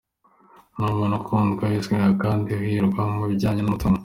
Ni umuntu ukundwa ,wizerwa kandi uhirwa mu bijyanye n’umutungo.